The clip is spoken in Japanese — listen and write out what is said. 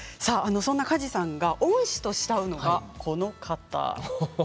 そんな梶さんが恩師と慕うのが、この方です。